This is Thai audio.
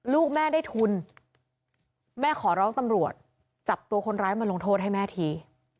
ลูกแม่ได้ทุนแม่ขอร้องตำรวจจับตัวคนร้ายมาลงโทษให้แม่ที